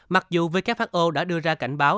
mặc dù who đã đưa ra cảnh báo